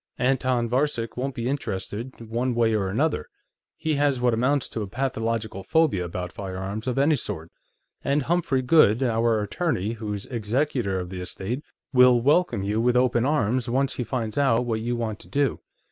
Anton Varcek won't be interested, one way or another; he has what amounts to a pathological phobia about firearms of any sort. And Humphrey Goode, our attorney, who's executor of the estate, will welcome you with open arms, once he finds out what you want to do.